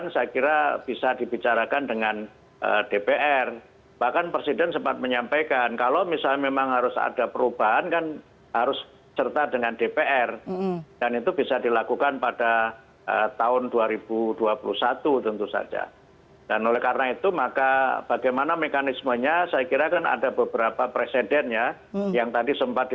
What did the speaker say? selain itu presiden judicial review ke mahkamah konstitusi juga masih menjadi pilihan pp muhammadiyah